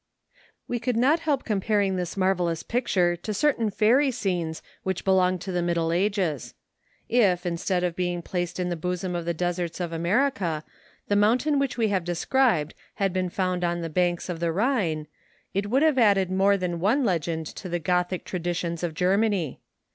We could not help comparing this marvellous picture to certain fairy scenes which belong to the middle ages. If, instead of being placed in the bosom of the deserts of America, the mountain which we have described, had been found on the banks of the Ehine, it would have added more than one legend to the Grothic traditions of Germany.